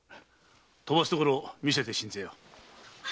飛ばすところを見せてしんぜよう。